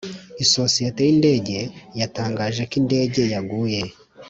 isosiyete y’indege yatangaje ko indege yaguye.